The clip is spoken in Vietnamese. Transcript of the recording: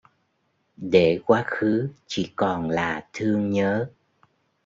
Để quá khứ chỉ còn là thương nhớ